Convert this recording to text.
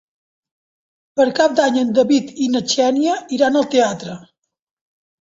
Per Cap d'Any en David i na Xènia iran al teatre.